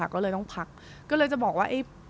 ก็เลยต้องพักก็เลยจะบอกว่า